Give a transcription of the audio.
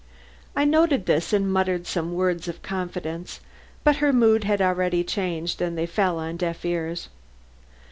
I noted this and muttered some words of confidence; but her mood had already changed, and they fell on deaf ears.